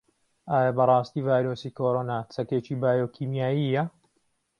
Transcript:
ئایا بەڕاستی ڤایرۆسی کۆرۆنا چەکێکی بایۆکیمیایییە؟